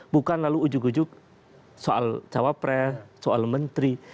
bukan lalu ujuk ujuk soal cawapres soal menteri